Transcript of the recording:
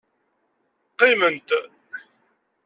Qqiment.